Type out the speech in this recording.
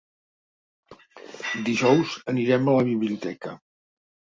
Dijous anirem a la biblioteca.